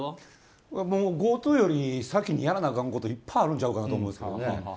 ＧｏＴｏより先にやらなあかんこといっぱいあるんちゃうかなと思うんですけどね。